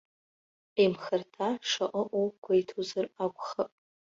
Имхырҭа шаҟа ыҟоу гәеиҭозар акәхап.